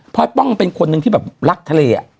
เพราะป้องเป็นคนหนึ่งที่แบบรักทะเล